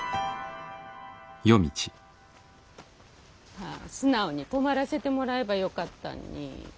はぁ素直に泊まらせてもらえばよかったんに。